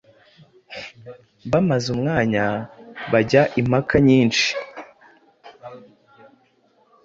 Bamaze umwanya bajya impaka nyinshi,